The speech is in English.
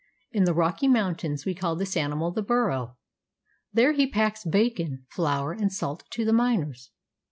In the Rocky mountains we call this animal the burro. There he packs bacon, flour and salt to the miners.